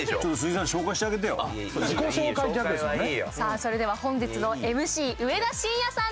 さあそれでは本日のＭＣ上田晋也さんです！